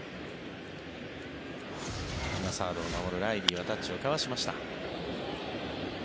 今サードを守るライリーはタッチを交わしました。